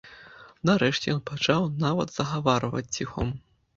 Нарэшце ён пачаў нават загаварваць ціхом.